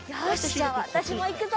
じゃあわたしもいくぞ！